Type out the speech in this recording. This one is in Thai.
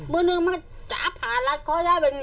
มึงนึงมันจับผ้าลัดของยายไป